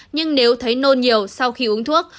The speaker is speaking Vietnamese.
nhưng nếu thấy nôn nhiều sau khi uống thuốc